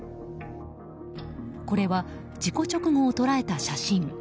これは事故直後を捉えた写真。